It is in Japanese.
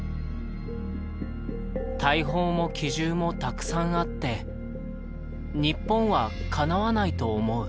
「大砲も機銃もたくさんあって日本はかなわないと思う」。